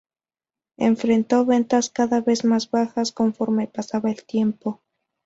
Enfrentó ventas cada vez más bajas conforme pasaba el tiempo.